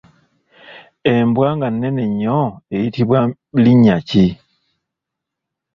Embwa nga nnene nnyo eyitibwa linnya ki?